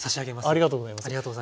ありがとうございます。